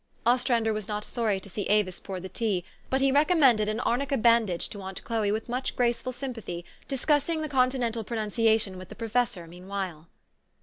Ostrander was not sorry to see Avis pour the tea ; but he recommended an arnica bandage to aunt Chloe with much graceful sympathy, discussing the continental pronunciation with the professor, mean while.